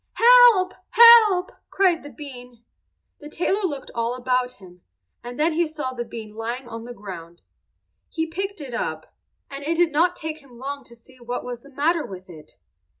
"Help! help!" cried the bean. The tailor looked all about him, and then he saw the bean lying on the ground. He picked it up, and it did not take him long to see what was the matter with it.